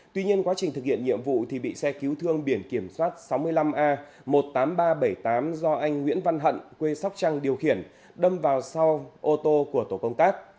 tuy nhiên quá trình thực hiện nhiệm vụ thì bị xe cứu thương biển kiểm soát sáu mươi năm a một mươi tám nghìn ba trăm bảy mươi tám do anh nguyễn văn hận quê sóc trăng điều khiển đâm vào sau ô tô của tổ công tác